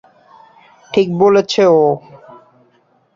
ঠিকই বলেছে ও।